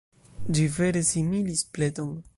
Ĝi vere similis pleton.